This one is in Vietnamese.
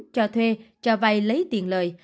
cho thuê cho vai lấy tiền lời